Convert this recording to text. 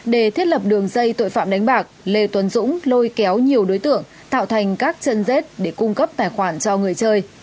để thiết lập đường dây tội phạm đánh bạc lê tuấn dũng lôi kéo nhiều đối tượng tạo thành các chân dết để cung cấp tài khoản cho người chơi